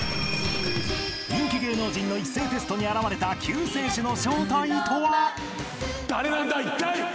［人気芸能人の一斉テストに現れた救世主の正体とは？］